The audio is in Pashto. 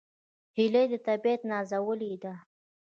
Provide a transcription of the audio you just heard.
هیلۍ د طبیعت نازولې ده